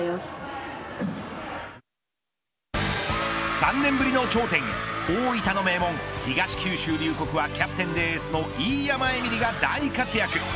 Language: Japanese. ３年ぶりの頂点へ大分の名門東九州龍谷はキャプテンでエースの飯山エミリが大活躍。